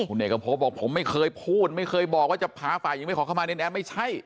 คุณเหนียกภพบอกผมไม่เคยพูดไม่เคยบอกว่าจะพาฝ่ายหญิงไปขอคำมาในแอนแอร์ไม่ใช่